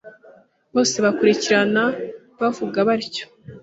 Bose bakurikirana bavuga batyo,